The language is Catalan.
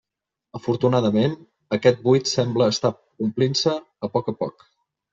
Afortunadament, aquest buit sembla estar omplint-se a poc a poc.